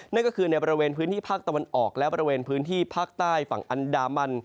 นั่นก็คือในบริเวณพื้นที่ภาคตะวันออกและบริเวณพื้นที่ภาคใต้ฝั่งอันดามัน